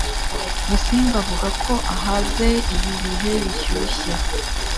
musinga avuga ko ahaze ibi bihe bishyushye